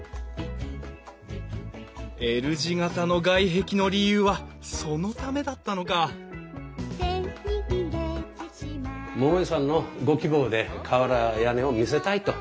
Ｌ字形の外壁の理由はそのためだったのか桃井さんのご希望で瓦屋根を見せたいと。